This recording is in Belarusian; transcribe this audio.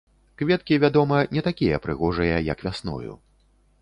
Кветкі, вядома, не такія прыгожыя як вясною.